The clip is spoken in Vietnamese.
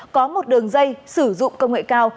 có một đường dây sử dụng công nghệ cao